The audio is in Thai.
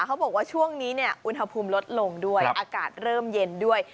เขาบอกว่าช่วงนี้เนี่ยอุณหภูมิลดลงด้วยอากาศเริ่มเย็นด้วย